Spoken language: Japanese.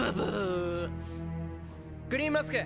グリーンマスク。